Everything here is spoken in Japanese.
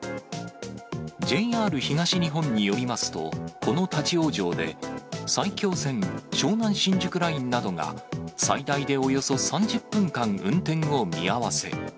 ＪＲ東日本によりますと、この立往生で、埼京線、湘南新宿ラインなどが、最大でおよそ３０分間運転を見合わせ。